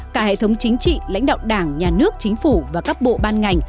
cả hệ thống chính trị lãnh đạo đảng nhà nước chính phủ và các bộ ban ngành